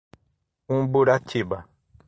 Umburatiba